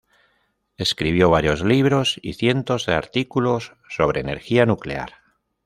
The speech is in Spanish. Escribió varios libros y cientos de artículos sobre energía nuclear.